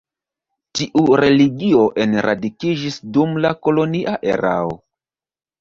Tiu religio enradikiĝis dum la kolonia erao.